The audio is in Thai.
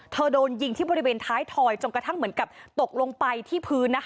โดนยิงที่บริเวณท้ายถอยจนกระทั่งเหมือนกับตกลงไปที่พื้นนะคะ